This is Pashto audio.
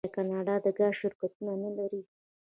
آیا کاناډا د ګاز شرکتونه نلري؟